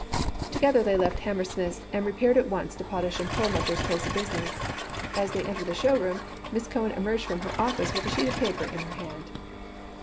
Together they left Hammersmith's and repaired at once to Potash & Perlmutter's place of business. As they entered the show room Miss Cohen emerged from her office with a sheet of paper in her hand.